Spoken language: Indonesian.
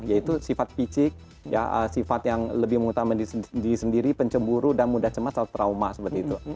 yaitu sifat picik sifat yang lebih mengutama di sendiri pencemburu dan mudah cemas atau trauma seperti itu